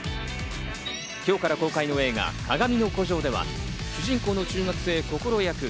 今日から公開の映画『かがみの孤城』では、主人公の中学生・こころ役。